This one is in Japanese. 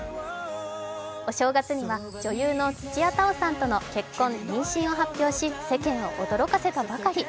お正月には、女優の土屋太鳳さんとの結婚・妊娠を発表し世間を驚かせたばかり。